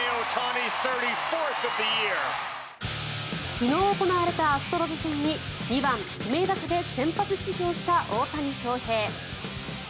昨日行われたアストロズ戦に２番指名打者で先発出場した大谷翔平。